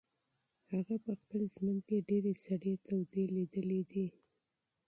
هغه په خپل ژوند کې ډېرې سړې تودې لیدلې دي.